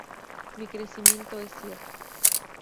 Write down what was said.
Mi crecimiento es cierto.